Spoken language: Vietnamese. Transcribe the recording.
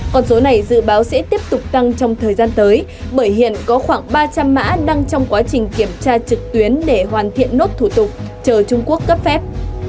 còn số này dự báo sẽ tiếp tục tăng trong thời gian tới bởi hiện có khoảng ba trăm linh mã đang trong quá trình kiểm tra trực tuyến để hoàn thiện nốt thủ tục chờ trung quốc cấp phép